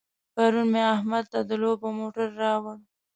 پرون مې احمد ته د لوبو موټر راوړ.